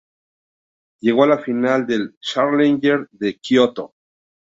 Llegó a la final del Challenger de Kyoto.